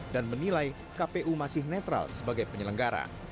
dan menilai kpu masih netral sebagai penyelenggara